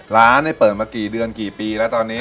ร้านเปิดมากี่เดือนกี่ปีแล้วตอนนี้